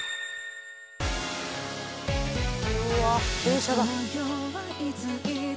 うわ電車だ。